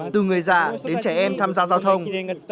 từ người già đến trẻ em tham gia giao thông